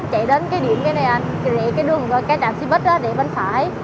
chạy đến cái điểm cái này anh rẽ cái đường cái trạm xe bích đó để bên phải